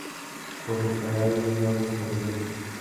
Pues estará ahí. No has buscado bien.